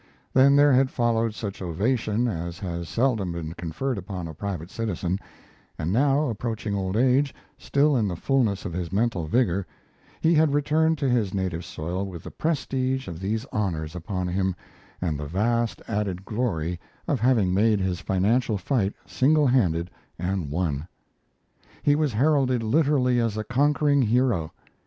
Then there had followed such ovation as has seldom been conferred upon a private citizen, and now approaching old age, still in the fullness of his mental vigor, he had returned to his native soil with the prestige of these honors upon him and the vast added glory of having made his financial fight single handed and won. He was heralded literally as a conquering hero.